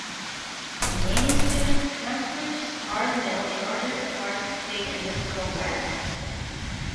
Many students transfer to Starr's Mill in order to participate in this program.